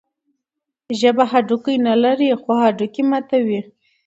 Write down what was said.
ژبه هډوکي نلري، خو هډوکي ماتوي.